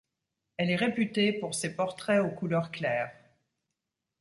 Elle est réputée pour ses portraits aux couleurs claires.